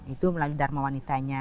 itu melalui dharma wanitanya